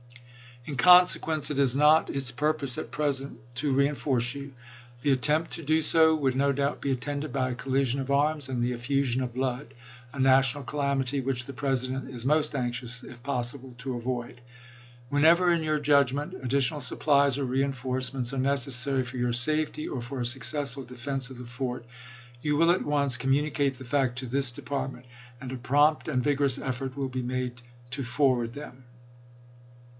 In consequence it is not its pur pose at present to reenforce you. The attempt to do so would no doubt be attended by a collision of arms and the effusion of blood — a national calam ity which the President is most anxious if possible to avoid. .. Whenever, in your judgment, addi tional supplies or reinforcements are necessary for your safety, or for a successful defense of the fort, Holt t0 you will at once communicate the fact to this de jiSSsei. partment, and a prompt and vigorous effort will be l, p". uo. ' made to forward them."